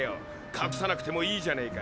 隠さなくてもいいじゃねえか。